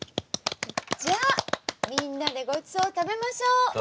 じゃあみんなでごちそう食べましょう。